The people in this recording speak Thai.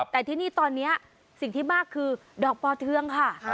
แต่ที่นี่ตอนนี้สิ่งที่มากคือดอกปอเทืองค่ะ